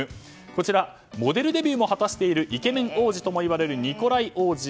こちら、モデルデビューも果たしているイケメン王子といわれるニコライ王子。